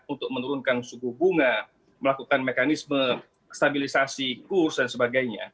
untuk menurunkan suku bunga melakukan mekanisme stabilisasi kurs dan sebagainya